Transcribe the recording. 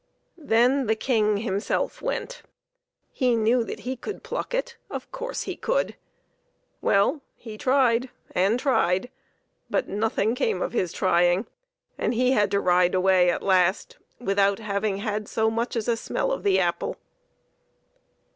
Then the King himself went. He knew that he could pluck it of course he could! Well, he tried and tried; but nothing came of his trying, and he had to ride away at last without having had so much as a smell of the apple.